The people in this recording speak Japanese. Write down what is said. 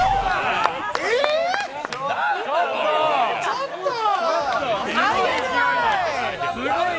ちょっとー！